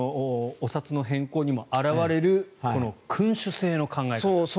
お札の変更にも表れるこの君主制の考え方。